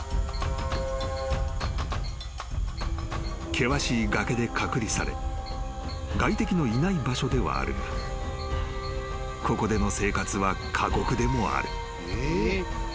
［険しい崖で隔離され外敵のいない場所ではあるがここでの生活は過酷でもある］